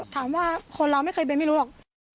ถามว่าคนเราไม่เคยเป็นไม่รู้หรอก